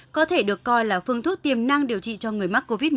có thể được coi là phương thuốc tiềm năng điều trị cho người mắc covid một mươi